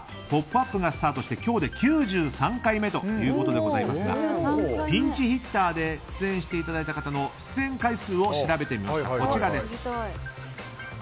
「ポップＵＰ！」がスタートして今日で９３回目ということですがピンチヒッターで出演していただいた方の出演回数を調べてみました。